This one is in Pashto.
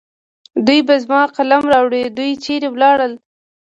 دوی به زما قلم راوړي. دوی چېرې ولاړل؟